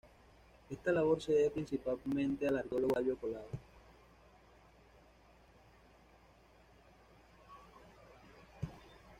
Esta labor se debe principalmente al arqueólogo Octavio Collado.